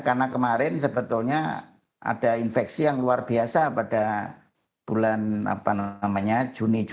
karena kemarin sebetulnya ada infeksi yang luar biasa pada bulan juni